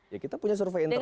ya kita punya survei internal